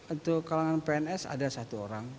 untuk kalangan pns ada satu orang